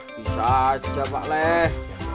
bisa aja pak leh